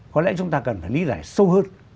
có lẽ chúng ta cần phải lý giải sâu hơn